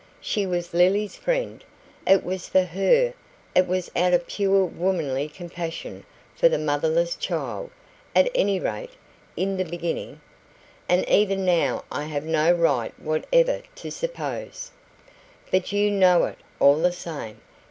She was Lily's friend; it was for her it was out of pure womanly compassion for the motherless child; at any rate, in the beginning. And even now I have no right whatever to suppose " "But you know it, all the same.